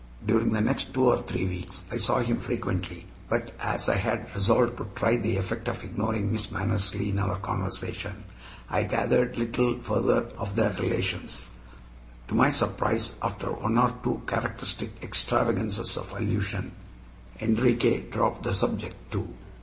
During the next two or three weeks I saw him frequently; but as I had resolved to try the effect of ignoring Miss Mannersley in our conversation, I gathered little further of their relations, and, to my surprise, after one or two characteristic extravagances of allusion, Enriquez dropped the subject, too.